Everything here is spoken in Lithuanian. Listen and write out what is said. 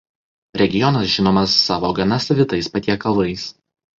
Regionas žinomas savo gana savitais patiekalais.